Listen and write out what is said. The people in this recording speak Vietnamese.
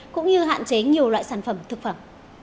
cũng như hạn chế nhiều loại sản phẩm thực phẩm